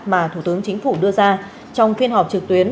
mà thủ tướng chính phủ đưa ra trong phiên họp trực tuyến